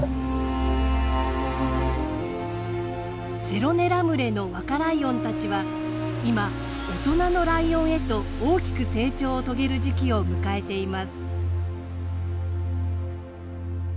セロネラ群れの若ライオンたちは今大人のライオンへと大きく成長を遂げる時期を迎えています。